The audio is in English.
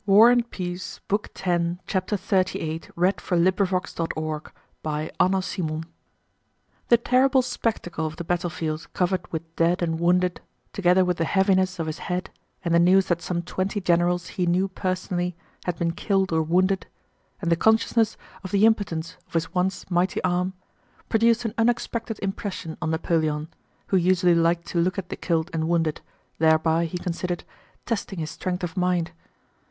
is what remained for me had I lived. But now it is too late. I know it!" CHAPTER XXXVIII The terrible spectacle of the battlefield covered with dead and wounded, together with the heaviness of his head and the news that some twenty generals he knew personally had been killed or wounded, and the consciousness of the impotence of his once mighty arm, produced an unexpected impression on Napoleon who usually liked to look at the killed and wounded, thereby, he considered, testing his strength of mind.